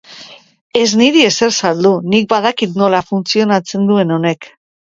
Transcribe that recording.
Ez niri ezer saldu, nik badakit nola funtzionatzen duen honek.